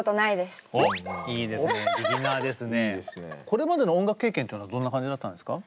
これまでの音楽経験というのはどんな感じだったんですか？